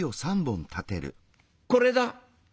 これだ」。